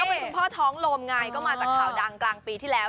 เป็นคุณพ่อท้องลมไงก็มาจากข่าวดังกลางปีที่แล้ว